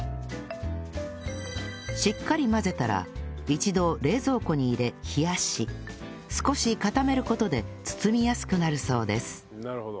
しっかり混ぜたら一度冷蔵庫に入れ冷やし少し固める事で包みやすくなるそうです